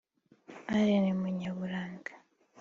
Alain Munyaburanga